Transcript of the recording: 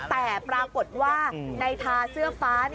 แต่ปรากฏว่าในทาเสื้อฟ้า